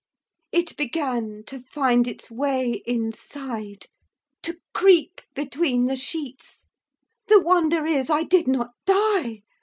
It began to find its way inside, to creep between the sheets; the wonder is I did not die!